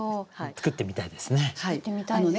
作ってみたいですね。